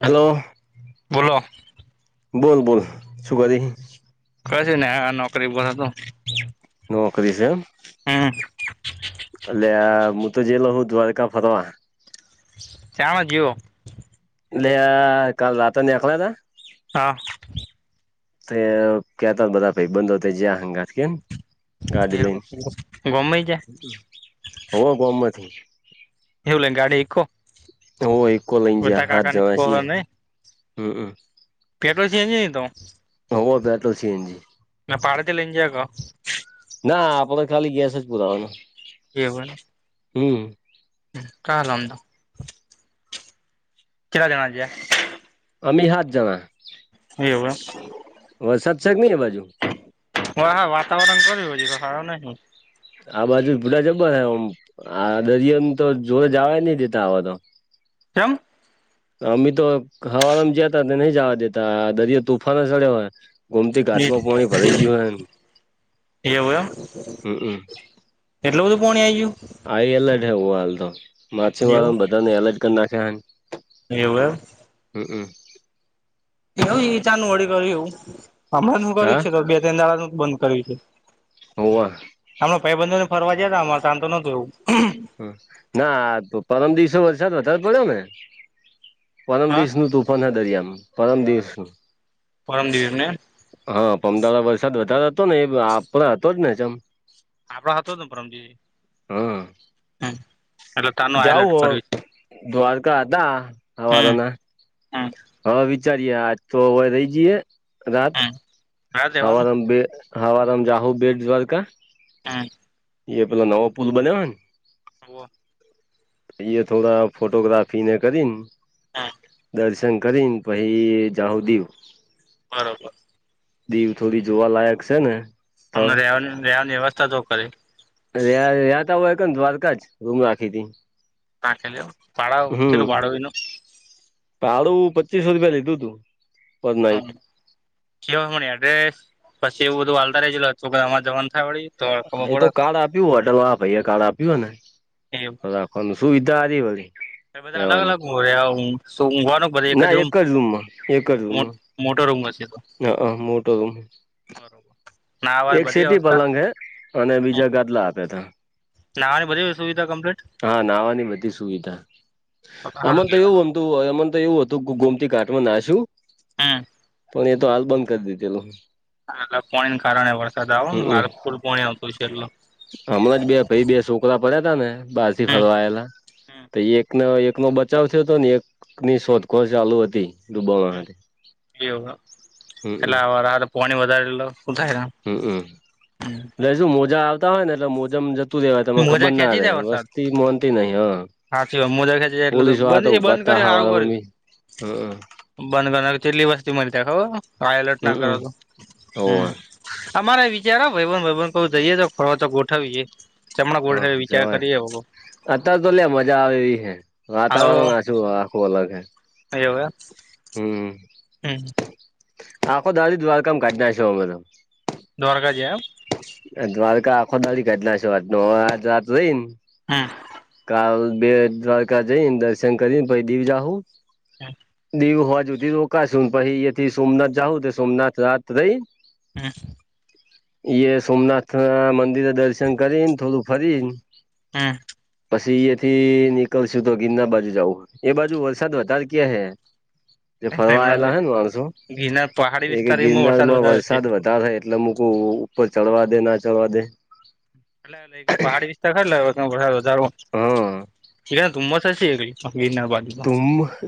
Hello બોલો બોલ બોલ શું કરી કશું નઈ આ નોકરી પર હતો. નોકરી સે એમ હમ્મ અલ્યા મુ તો જેલો હું દ્વારકા ફરવા શામાં જ્યો અલ્યા કાલ રાત્રનેકલા ને હા તે ગ્યા તા બધા ભાઈ બંધો જયા હંગાત કેને ગાડી લઈને ગમે જાય હ બોમબથી [unintelligible] ગાડી ઈકો હો ઈકો લયને બધા જયા હાત કાકા ની જના પોહ છીએ નઈ હમ્મ હમ્મ [unintelligible] તો હો પેટ્રોલ સીએનજી [unintelligible] ના આપો તો ખાલી ગેસ જ પુરાવાનો એવય હમ્મ [unintelligible] કેટલા જણા જયા અમી હા જના એવુ વરસાદ સે કનઈ એ બાજુ હા હા વાતાવરણ [unintelligible] હારુ નહીં આ બાજુ બુટા જબર હમ આ દરિયોને તો જોર જવા નહી દેતા આવા તો ચમ અમી તો હવામાં જતા નહી જવા દેતા દરિયો તોફાને ચડયો હે ગોમતી ઘાટમાં પોણી ભરા ગયું હો હમ્મ હમ્મ એટ બધું પોણી આઈ ગ્યુ. હાઈ એલર્ટ હે એવું હાલ તો ગયું માછીમારોને બધાને એલર્ટ કરી નાખ્યા હે એવું હે હમ હમ એવ ચાનું વળી કર્યું એવું હમણાં શું કર્યું હા છે તો બે ત્રણ દાનું બંધ કર્યું છે હોવા હમણા ભાઈબંધો ને ફરવા જયાતા [unintelligible] એવું ના પરમ દિવસે વરસાદ વધારે પડ્યો ને પરમ હા દિવસનું તુફોન હ દરિયામાં પરમ દિવસનું પરમ દિવસનું એમ હા પમદારે વરસાદ વધારે હતો ને એ આપણા હતો જ ને જેમ આપડો હતોને પરમજી એટલે તાનું હાઈલાઈટ જઉ કર્યું છે દ્વારકા હતા હમ હવારના હમ હા વિચારીએ આજ તો હવે રહી જઈે રાત હા રહેવાનું હવા બે હવા જાહું બેડ જ્વારકા હમ એ પેલો નવો પુલ બન્યો ને હો એ થોડા ફોટોગ્રાફી ને કરી ને હા દર્શન કરીને પછી જાઉું દીવ બરોબર દીવ થોડી જોવાલાયક છે ને તો અમને રહેવાની રહેવાની વ્યવસ્થા તો કરે રતા હોય કે ને દ્વારકા જ રૂમ રાખી હતી ત ખલી ભડાાવ ચલો ભળો વિ ન પાળું પચીસો રૂપિયા લીધું તું પર હમ નાઈટ કેમરી એડ્રેસ પછી એવું બધું વાલતા રલો કે આમાં જવાનું થાય વળી તો એ ખબર તો કાર્ડ આપ્યું હોટેલ વા ભાઈ એ કાર્ડ આપ્યું ને પડે એવું બરાબ હ શું વિધ આ દેવાલી બધા અલગ અલગ હ શું ઊઘવાનું બધ એક જ હ મોટો રૂમશે તો હ હ મોટો રૂમ બરોબર નાહવાની એક બધી સિટી વ્યવસ્થા પલંગ હૈ અને બીજા ગાદલા આપ્યા ત નાવાની બધ સુવધા કમ્લેન હા નાવાની બધી સુવિધા આમમાં તો એવુંમ એમ તો એવું હતું કે ગોમતી કાટમાં નાશું હમ પણ તો હાલ બંધ કરી દીધે એલું હ પાણીને કારણે વરસાદ આવો હમમ આુર પાણી આવતું છે એટ હમણાં જ બે પાઈ બે છોકરા પડ્યા હતા ને બાજીી હમ ફરવાયેલા તો એકનો એક ન બ બચાવ થયો હતો ને એકની શોધખોળ ચાલુ હતી ડૂબાવા હાતે. હ હમમ એટ આ પાણી વધારે એટ શું થાય હમમટલે શું મોજા આવતા હોય ને એટલે મોજામાં જ તું દેવાય તમે મોજા ખબર ના ખેંચી રે જાય વરસાદ વસ્તી મોનતી નહિ હ સાચી વાત મોજા ખેંચી જાય એટલે પોલીસ વાળ બંધ તો એ બંધ પતા કર્યું હા સારું વાળ કર્યું મમ્મી હ બંધ કરનાર કેટલી વસ્તી મળી ત ખબર હ એલર્ટ ના કરો હમમ તો હમ હોવે અમારે વિચારો ભાઈભન ભાઈન ક જઈએ તો ફરવા તો ગોઠવી જેએ હા જોય અત્યારે તો લે મજા આવે એવી હે હાલો વાતાવરણ આછું આખું અલગ હે એવું એમ હમ હમ આાખો દાદી દ્વારકાામ કાઢ ના છ અમારા દ્વારકા જ એમ દ્વારકા ખોદ કાટ ના છે આત ન રાતો જઈને હા કાલ બે દ્વારકા જઈને દર્શન કરીને પછ દી જાઉું હા દવું હોવા જોુથીી રોકાશ પછથી સોમનાથ જાઉં તો સોમનાથ રાત રઈ હમ ઈ સોમનાથ ના મંદિરે દર્શન કરીને થોડું ફરી હમ પછી એથી નીકળશું તો ગીરના બાજુ જઉું એ બાજુ વરસાદ વધારે ક્યાં હે જે ફરવા હમ આવેયેલા હ ને માણસો ગિરનાર પહાડી એ કે વિસ્તાર એમાં ગિરનારમાં વધારે છે વરસાદ વધે થાય એટલે મ કહ ઉપર ચડવા દે ના ચડવા દે અ પહાડી વિસ્તારાર એ હા તુંમ સ એ હ એનાવાા તમ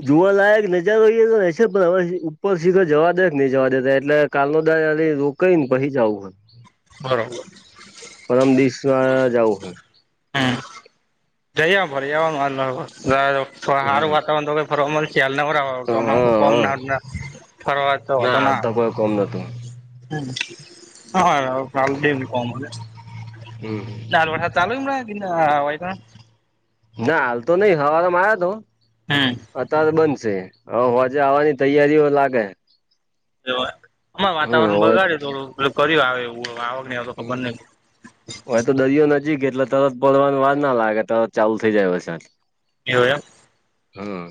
જોવાલાયક નજારો હોઈ એ તો છે પણ હવે ઉપર સીખર જવા દે કે નહી જવા દેતા એટલે કાલદા રોકાઈ ને પછી જવું હો બરોબર પરમ દશ વા જવું હ હમ જઈ ભર આવ મા જા હે સારું હમ વાતાવરણ તોઈ ફર ખલ ન તો તમામ કોમ હા ના ફરવાતો હતો હાલ ના તો કોઈ કોમ નથીત હ હા ક ચાલુમ હમ ક વા ના હાલ તો નહી હવા તો માર્યા તો હમ અત્યારે બનશે હ આજે આવવાની તૈયારીઓ લાગે ગરીબ નો પૈસો હમ ખાઓ તામે શરમ નાઈ લગે હ હ તો દરિયો નજીક એટલે તરત પડવાની વાર ના લાગે તરત ચાલુ થઇ જાય વરસાદ એ હોયમ હમ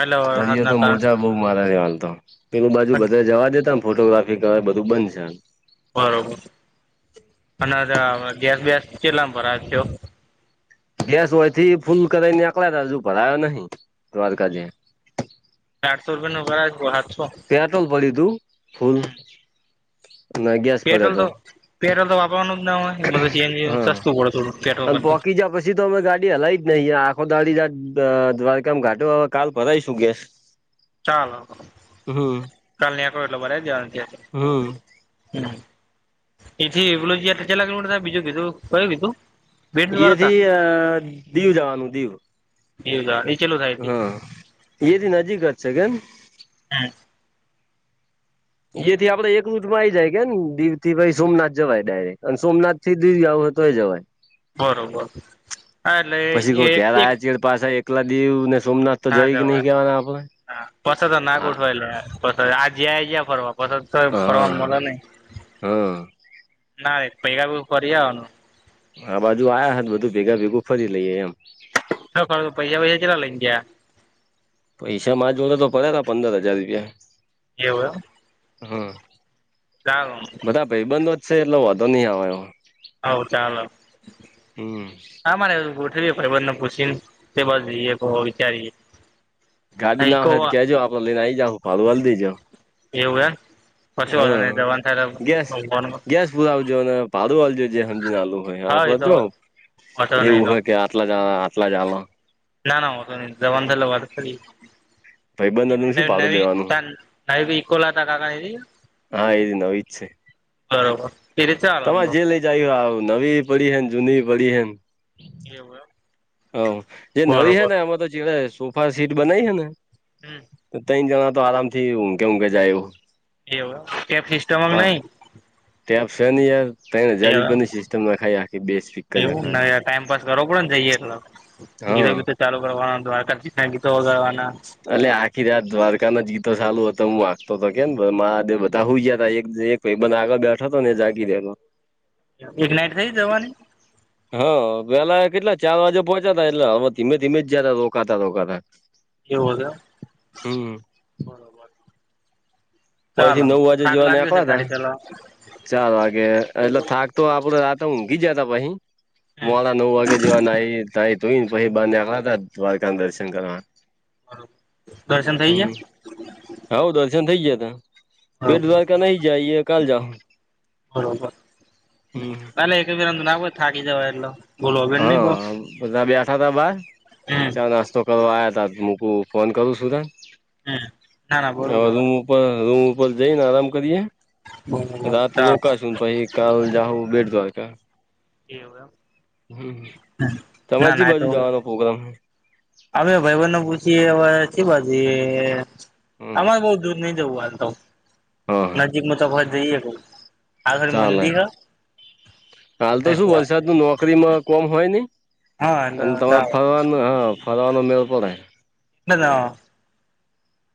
એટલે દરિયો વરસાદના તો કારણે મોજા બહ મારા દવાલ તો પેલું બાજુ બધા જવા દેતામ ફોટોગ્રાફી કરવા બધું બંધ છે બરોબર અને ગેસ વેસ કેટલામ ભરા છો ગેસ હોય થી ફૂલ કર ને આલા હજુ ભરાયો નહીિ દ્વારકા જે તારો જીવો હરામી મદાસ કોઈ નહીં પટોલ પડી તું ફૂલ ના ગ્યા પેટ્રોલ તો પેટ્રોલ તો વાપરવાનું જ ના હોય મતલબ સીએનજી હા સસ્તું પડે થોડું પેટ્રોલ અને પરથી પોકી જ્યા પછી તો અમે ગાડી હલાવી જ નહીિ આખો દાડી દ્વારકામાં ઘાટો હવે કાલ ભરાઈશું ગેસ ચાલો હમ કાલ ન કરટલો બર જ હમ હ એથી પલુંય ચલા કિલોમીર થ બીજું કીધું કયું કીધું બેટ દ્વારકા એથી અ દીવ જવાનું દીવ એવું નીચેલું થાય હા એથી નજીક જ છે કેન હા એથી આપડે એક રૂટમાં આ આવી જાય કે ને દીવ થી ભ સોમનાથ જવાય ડાયરેક્ટ અને સોમનાથ થી દી થઈ જવાય બરોબર હા એટલે પછી કોઈ એક ઘેર એક આયા ચેડ પાછા એકલા દીવ સોમનાથ તો ના જઈ નહી જવા કેવાના આપડે. પછ તો ના હા ગોઠવાયલા પછ આ જયા જ્યા ફરવા પછો તો ફરવા હા મળ નહી હા ના ર પૈકાા પ કર આવનું હા બાજુ આ્યા બધું ભેગા ભેગું ફરી લઈએે એમ હ હ ક તો પૈસાાૈસા ચાલલા ને ત્યા પૈસા મામાં જોડે તો પડ્યા હતા પંદર હજાર રૂપિયા એવું હમ ચાલ બધા ભાઈબંધો જ છે એટલો વાંધો નહી આવે એ આવ ચાલ હમ. હા માને ગોઠવી બને પૂછીને બસ જઈએ વિચારીએ ગાડી ના ઈકો હોય તો કેજો આપડે લઈનેઈ જાવ ફવાલ દઈજો [inaudible] એવું એમ કશું હો ને જવાનું થાય. પુ આવજો ને પડુવાલજો જે સમજી નાલું હોય આપ હા એ તો જો વાંધો નહી એવું તો હોય કે અટલા અટલા ચાલમ ના ના તોંધર વા ભાઈબંધનું શું ભાડું નવી લેવાનું સાહેબ ઇકોલા હતા કાકા હા એ નવઈચછે. બરોબર એ રીતે ચાલે આમ તમારે તો જે લઈ જઈ આવ નવી પડી હને જૂની પડી એવું એ હ જે નવી હે ને એમાં તો જે સોફા સીટ બનાવી હ ને હમ તો ત જણ તો આરામ થી ઊ કે કે જાય એવુ એવ કેપ સિસ્ટમંગ નહી. ટટેપ છે યાર ત જદી પણ સિસ્ટમ નાખાય આખી બેસ ફિક્કર એવું નાખાય. ટાઈમપાસ કરવો પડેન જઈએ એટલો, હા ગીતો-બીતો ચાલુ કરવાના, દ્વારકાધીશના ગીતો વગાડવાના. અ આખી રા દ્વારકા ના જ ગીતો ચાલુ હત હું વાગતો હતો કેમ માે બધા હું ગયા હતા. પ બને આગળ બેઠા તો ને જાગી દેતો. એક નાઈટ થઈ જવાની હા પેલા કેટલા ચાર વાગે પહોંચાતા એટલે હવે ધીમે ધીમે જારે રોકાતા રોકાતા એદ હમ હીથી ચાલો નવ વાગે થાક જોવા લાગ્યો છે આવા ગાડી ત ચલાવવા ચાર વાગે એટલે થાક તો આપ રાતા હ ગી જતા ભહી હમ મોડા નવ વાગે જેવા ન [inaudible] તોહી બાંધ્યાખા દ્વારકા દર્શન કરવા બરોબર દર્શન થઈ હમ ગયા હવ દર્શન થઇ ગયા હતા. બેડ બરોબર દ્વારકાા નહી ગયા એ કાલ જહુ બરોબર તાલે એકવીરામ નાખો થાકી જવા એટલો હા બધા બેઠા તા બાર હમ ચા નાસ્તો કરવા આવયા તા મૂકું ફોન કરું સુુંધા હમ ના ના બરોબર રૂમ ઉપર રૂમ ઉપર જઈને આરામ કરીએ બરોબર રાત ચાલ રોકાશુ પછી કાલ જાહું બેટ દ્વારકા, એવું એમ હમ તમારે ના કઈ ના તો બાજુ જવાનો પ્રોગ્રામ છે. અમે ભાઈ બનને પૂછીએ હવે કી બાજુ જઇએ હમ અરે બઉ દૂર નઈ જવું આાલ તો હા હા નજીક માં તો જઈએ આગળ ચાલે મંદિર હે હાલ તો શું એટલે વરસાદનું નોકરીમાં કોમ હોય નહીં. હા એટલે અને તમારે ચાલ ફરવાનું હા ફરવાનો મેળો પડે ના ના [inaudible]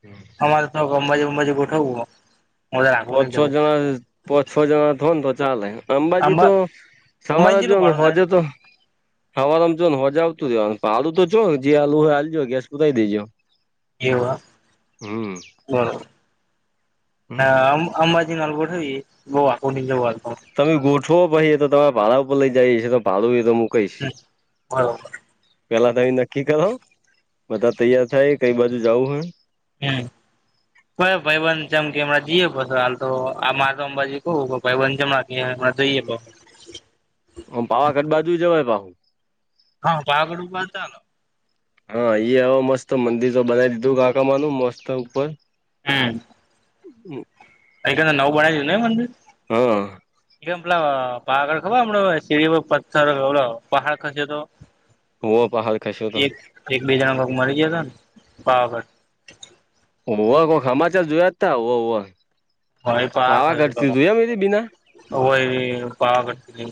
હમ તમારે તો અંબાજી ગંબાજી ગોઠવું પાચ છ જના પો છ જણા હોય ને તો ચાલે અંબાજી અંબા તો સવારે અંબાજી જો નું ને ભાડું થાય હોજે તો હવાર આમ જો ને હોજા આવતું રહેવા ભાડુ જોોને જે આલુ હોય હાલજો ગેસ પરાય દેજો એવા હમ બરોબર ના આમ આમ નલગવી ગ આ આપ નિ જ [unintelligible] તમે ગોઠવો ભહીએ તો તમારે ભાડા ઉપર લઈ જઈ છીએ તો ભાડું એ તો હું કઈશ હ બ પેલા તમે નક્કી કરો બધા તૈયાર થાય કઈ બાજુ જઉું હે હમ હ ભાઈવંધ જેમ કેમં જઈએ હાલ તો આ મારે તો અંબાજી કવું ભાઈવંધ જમણા કે જઈએ પ આમ પાવાગઢ બાજુ જવાય પાછુ. પાવાગઢ ઉભા હતા આ લોકો હા હ મસ્ત મંદિર તો બનાવી દીધું કાકામાંનું મસ્ત ઉપર હમ. હમ. અહીં ક નવું બનાયુ નય એ મંદિર? હા એ મતલ પાાગળ ખબર હમ શેરી પથ્થર ઓલો પહાડ ખસે તો ઓ પહાડ ખશું તો એક એક બેીજણા ભગ મરી જતો ને પાવાગર. કોઈ હમાચાર જોયા ત હો. ભય પા. એથી બીના હય પાવાતી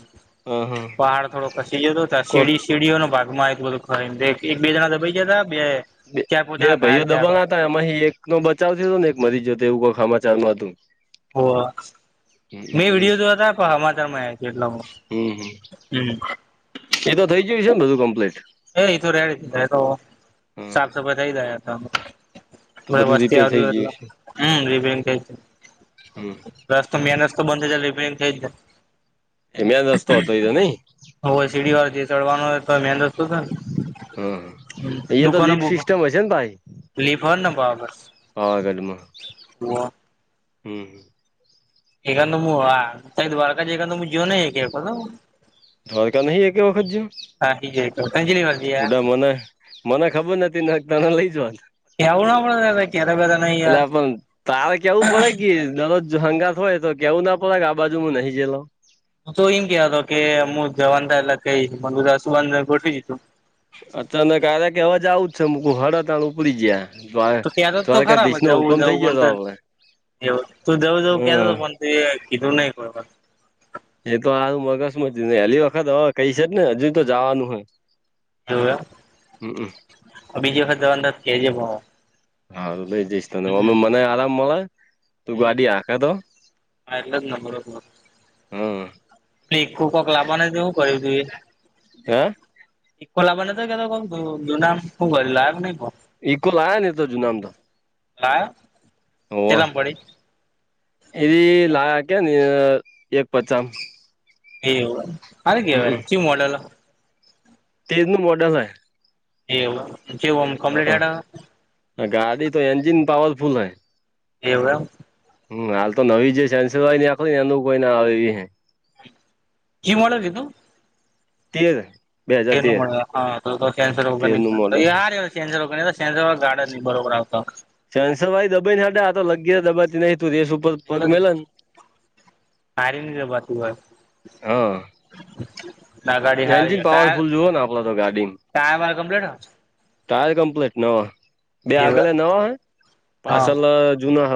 હા હા પહાડ થોડો ખસી જતો ત કોક સીડી ચીડીઓનો ભાગમાં બધ ખ એક બે જણા દબાઈ જતા બે ચાર પાંચ બે જણા ભાઈઓ ઘાયલ થયા દબાના હતા એમાં એક નો બચાવ થ હતો ને એક મરી જયોતો એવું કોઈ સમાચારમા હતું. ઓ હમ મેં વિડીયો જો હતા પણ હમાચારમાં છે એટ હ હમ હમ એતો થઇ જયું છે ને બધું કમ્પ્લીટ એ તોું રેડી તો હા સાફ સફાઈ થઈ ગાય હતા. તો બધા બધું વસ્તી રીપેર થઈ આવું ગયું એટલે છે હમ ર બેન ક. હમ રસ્તો મેન રસ્તો બંધ થાય રિપેરિંગ થ જાય. એમિયા જ રસ્તો હતો એ નઈ. હો સીડી વાર જે ચડવાનોય તો મંદ હા એ તો લીપ સિસ્ટમ હશે ને ભાઈ [unintelligible] લલીફ હોને બબસ પાવાગઢમાં હમ હ. એાંદ હું હા સા દ્વારકા એાદ હું જવ ન એક હતો [unintelligible] થડકા નહી એક કે વખત જ હા ઈ જ એક વખત કેટલી વાર ગયા પડાા મન મને ખબર નથી નાગ તણા લઈ જવાત. એવું કે્યારે બે એટલે આપ તાર કેવું પડે કે ન જો હંગાત હોય તો કેવું ના પડે કે આ બાુું નહીં જેલો તું તો એમ કેહ હતો કે હું જવાનતા એટલે કઈ મ સુબંધને ગોઠવી તું. અતાન ક કે અવાજ આવુંજ છે મકું હળ તણ ઉપરી જયા. તો ક તો ખરાબ જવું થઈ ગયો જવું પણ હતો આપડે તું જવું હમ જવું ક. કીધું નને કોબ. એ તો આારું મગજમ જ ન હહેલી વખત હવે કઈ છે ને હજુ તો જવાનું હોય. જો બીજી વખત જવા કે જે ભ. હા લઈ જઈશ તોને અમે મને આરામ મળે તું હમ ગાડી આખે તો. હા એટલે જ ને હમ બરોબર કોક લાવવાના તો એવું કર્યું તું એ. હે. ઈકોલા બને તો કે કું જુના લાગક નહી પણ. ઇકોલા્યા ને તો જૂનામ તો. ના. ઓ એવી લા કે ને એક પચ. એવું મારે કેવાય કું મોડેલો. તેજ નું મોટા થાય એવ જેવમ કમ્પ્લીટ. ગાડી તો એન્જિન પાવરફુલ હૈ. એમ. હમ હાલ તો નવી જે સંસેવાય આખ ને એનું કોઈ ના આવે એવી જી મળળ ગીધું તેજ એ મળે હ તો કેન્સર વગર તેરનું મોડલ નીકળ જરોેજરો ગાર્ડન બરોબડા આવ શનસર ભાઈ દબાઈ ને સા આ તો લગી દબાતી ન તું રેસ ઉપર પગ એટ મેલે ને સારીની જવાત હોય હા ના ગાડી એન્જિન હારી ક પાવરફુલ જુઓ ને આપડે તો ગાડીમ કાય મા કમ્પ્લેટ હો ટાયર કમ્પ્લીટ નવા બે આગળ એવું નવા હોય હ પાર્સલ જૂના